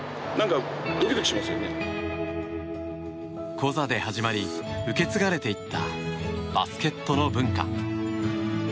コザで始まり受け継がれていったバスケットの文化。